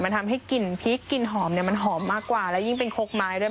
มันทำให้กลิ่นพริกกลิ่นหอมเนี่ยมันหอมมากกว่าและยิ่งเป็นคกไม้ด้วย